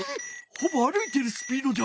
ほぼ歩いているスピードじゃ。